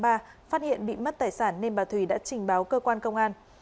phát hiện bị mất tài sản nên bà thùy đã trình báo cơ quan công an